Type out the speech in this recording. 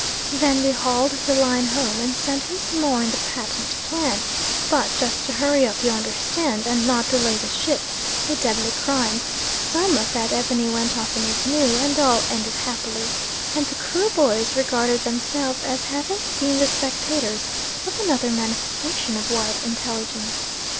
Then we hauled the line home and sent him some more on the patent plan, but, just to hurry up, you understand, and not delay the ship, a deadly crime, SOME of that ebony went off in a canoe and all ended happily, and the Kruboys regarded themselves as having been the spectators of another manifestation of white intelligence.